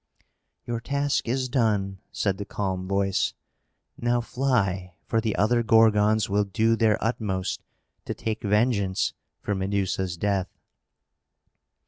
"Your task is done," said the calm voice. "Now fly; for the other Gorgons will do their utmost to take vengeance for Medusa's death."